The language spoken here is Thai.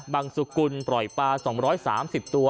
สุกุลปล่อยปลา๒๓๐ตัว